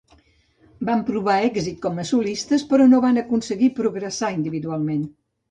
Van provar èxit com a solistes, però no van aconseguir progressar individualment.